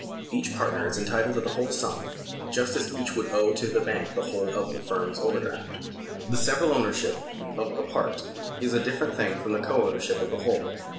Each partner is entitled to the whole sum, just as each would owe to the bank the whole of the firm's overdraft. The several ownership of a part is a different thing from the co ownership of the whole.